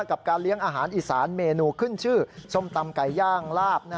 กับการเลี้ยงอาหารอีสานเมนูขึ้นชื่อส้มตำไก่ย่างลาบ